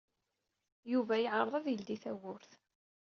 Yuba yeɛreḍ ad yeldey tawwurt.